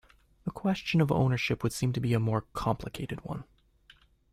The question of ownership would seem to be a more complicated one.